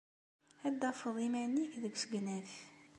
Ad d-tafed iman-nnek deg usegnaf.